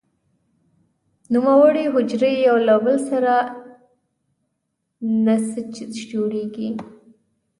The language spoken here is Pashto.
نوموړې حجرې یو له بل سره یو نسج جوړوي.